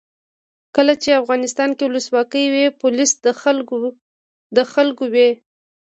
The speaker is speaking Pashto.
کله چې افغانستان کې ولسواکي وي پولیس د خلکو وي.